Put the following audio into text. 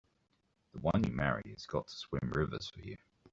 The one you marry has got to swim rivers for you!